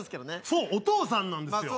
そうお父さんなんですよ